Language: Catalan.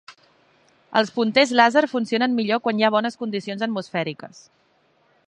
Els punters làser funcionen millor quan hi ha bones condicions atmosfèriques.